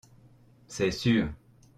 C’est sûr !